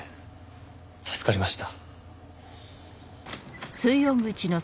助かりました。